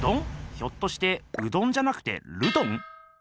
ひょっとしてうどんじゃなくてルドン？